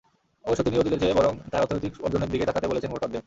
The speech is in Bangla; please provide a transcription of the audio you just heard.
অবশ্য, তিনি অতীতের চেয়ে বরং তাঁর অর্থনৈতিক অর্জনের দিকেই তাকাতে বলেছেন ভোটারদের।